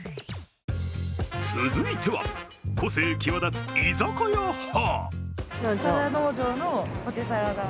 続いては個性際立つ居酒屋派。